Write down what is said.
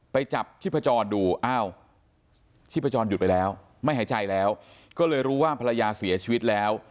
ไปจับชีพจรดูอ้าวชีพจรหยุดไปแล้วไม่หายใจแล้วก็เลยรู้ว่าภรรยาเสียชีวิตแล้ว